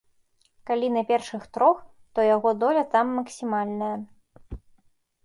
Калі на першых трох, то яго доля там максімальная.